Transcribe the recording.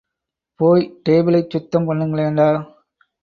போய் டேபிளைச் சுத்தம் பண்ணுங்களேண்டா!...